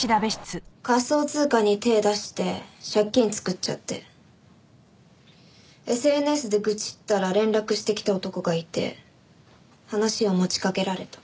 仮想通貨に手ぇ出して借金作っちゃってＳＮＳで愚痴ったら連絡してきた男がいて話を持ちかけられた。